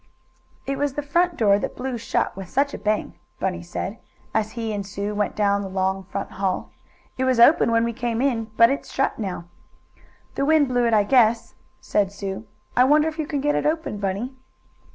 "It was the front door that blew shut with such a bang," Bunny said, as he and Sue went down the long, front hall. "It was open when we came in, but it's shut now." "The wind blew it, I guess," said Sue. "I wonder if you can get it open, Bunny?"